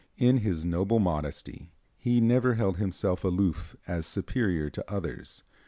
In his noble modesty he never held himself aloof as superior to others.